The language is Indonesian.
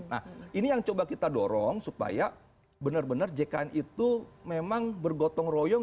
nah ini yang coba kita dorong supaya benar benar jkn itu memang bergotong royong